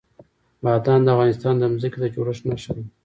بادام د افغانستان د ځمکې د جوړښت نښه ده.